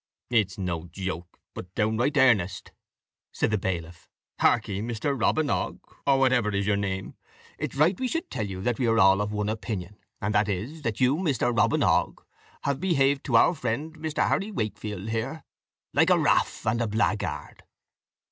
"It is no joke, but downright earnest," said the bailiff. "Harkye, Mr. Robin Ogg, or whatever is your name, it's right we should tell you that we are all of one opinion, and that is, that you, Mr. Robin Ogg, have behaved to our friend, Mr. Harry Wakefield here, like a raff and a blackguard."